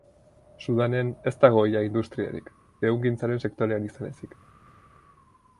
Sudanen ez dago ia industriarik, ehungintzaren sektorean izan ezik.